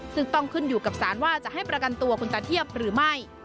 ซึ่งต้องขึ้นอยู่กับสารว่าจะให้ประกันตัวคุณตาเทียบหรือไม่